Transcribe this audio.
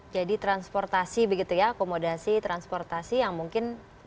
jadi transportasi begitu ya akomodasi transportasi yang mungkin lebih harus